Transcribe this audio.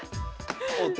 王手。